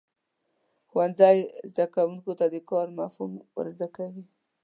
ښوونځی زده کوونکو ته د کار مفهوم ورزده کوي.